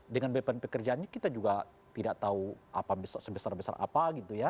dengan beban pekerjaannya kita juga tidak tahu sebesar besar apa gitu ya